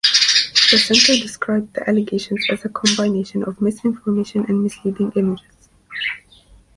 The center described the allegations as a combination of misinformation and misleading images.